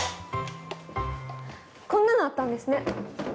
こんなのあったんですね。